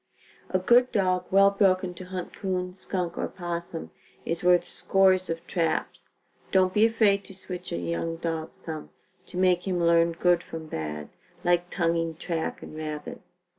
A good dog, well broken to hunt 'coon, skunk or opossum is worth scores of traps. Don't be afraid to switch a young dog some, to make him learn good from bad, like tonguing track and rabbit.